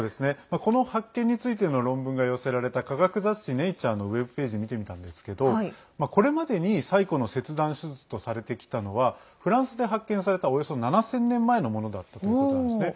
この発見についての論文が寄せられた科学雑誌「ネイチャー」のウェブページ見てみたんですけどこれまでに最古の切断手術とされてきたのはフランスで発見されたおよそ７０００年前のものだったということなんですね。